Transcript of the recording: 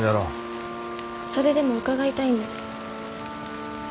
それでも伺いたいんです。